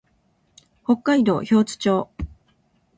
北海道標津町